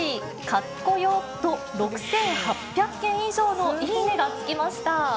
かっこよ！と６８００件以上のいいねがつきました。